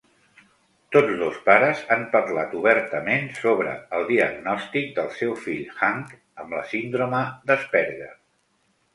Tots dos pares han parlat obertament sobre el diagnòstic del seu fill Hank amb la Síndrome d'Asperger.